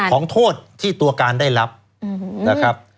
โทษที่ตัวการได้รับนะครับ